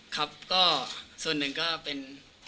ครับก็ส่วนหนึ่งก็เป็น